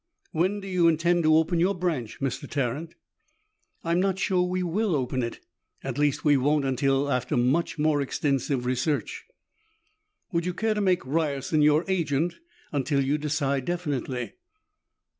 "When do you intend to open your branch, Mr. Tarrant?" "I'm not sure we will open it. At least, we won't until after much more extensive research." "Would you care to make Ryerson your agent until you decide definitely?"